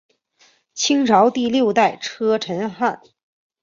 清朝第六代车臣汗。